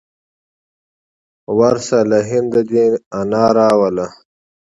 ورشه له هنده د نیا را وړه.